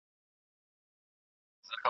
ایا بریالي خلګ تل لېوالتیا ښيي؟